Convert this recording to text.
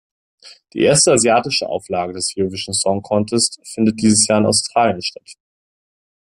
Die erste asiatische Auflage des Eurovision Song Contest findet dieses Jahr in Australien statt.